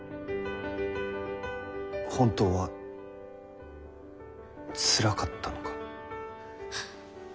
本当はつらかったのか？